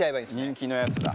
人気のやつだ。